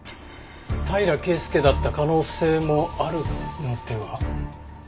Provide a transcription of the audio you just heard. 平良圭介だった可能性もあるのでは。